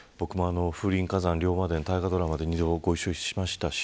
僕も風林火山、龍馬伝大河ドラマでご一緒しました。